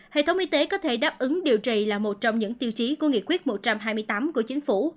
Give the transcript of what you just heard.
hệ thống y tế có thể đáp ứng điều trị là một trong những tiêu chí của nghị quyết một trăm hai mươi tám của chính phủ